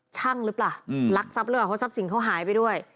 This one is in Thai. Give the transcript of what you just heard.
หรือเปล่ารักทรัพย์หรือเปล่าเพราะทรัพย์สินเขาหายไปด้วย